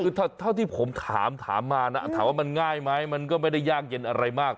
คือเท่าที่ผมถามมานะถามว่ามันง่ายไหมมันก็ไม่ได้ยากเย็นอะไรมาก